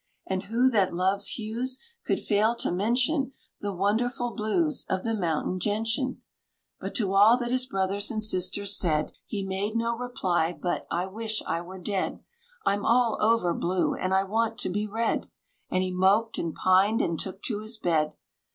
And who that loves hues Could fail to mention The wonderful blues Of the mountain gentian?" But to all that his brothers and sisters said, He made no reply but "I wish I were dead! I'm all over blue, and I want to be red." And he moped and pined, and took to his bed.